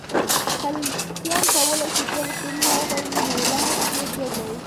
کلسیم کولای شي دوه الکترونونه وبایلي نو ولانس یې دوه دی.